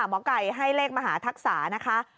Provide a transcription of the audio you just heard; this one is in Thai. หมอไก่ให้เลขมหาทักษานะคะ